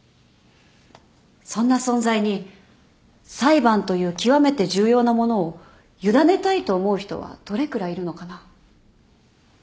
そんな存在に裁判という極めて重要なものを委ねたいと思う人はどれくらいいるのかな？